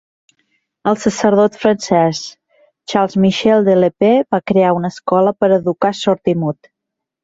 Un sacerdot francès, Charles-Michel de l'Épée, va crear una escola per educar sord-i-mut.